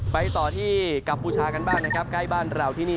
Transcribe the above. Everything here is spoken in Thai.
ไปต่อที่กัมพูชากันบ้างนะครับใกล้บ้านเราที่นี่